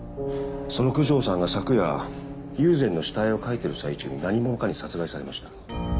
その九条さんが昨夜友禅の下絵を描いてる最中に何者かに殺害されました。